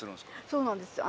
そうなんですよ。